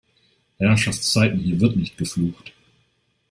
Herrschaftszeiten, hier wird nicht geflucht!